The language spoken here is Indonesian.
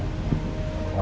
kalau gak sengaja